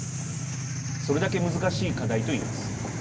それだけ難しい課題といえます。